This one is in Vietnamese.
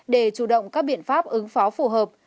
để chủ động các biện pháp ứng phó phù hợp